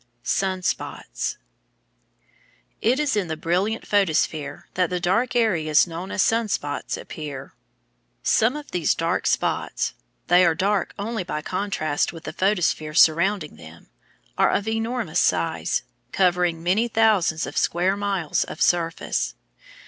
Sun spots It is in the brilliant photosphere that the dark areas known as sun spots appear. Some of these dark spots they are dark only by contrast with the photosphere surrounding them are of enormous size, covering many thousands of square miles of surface.